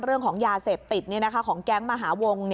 เรื่องของยาเสพติดของแก๊งมหาวง